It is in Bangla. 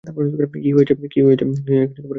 কি হয়েছে, দোস্ত?